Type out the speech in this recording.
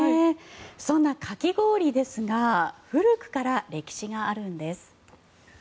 そんなかき氷ですが古くから歴史があるんです。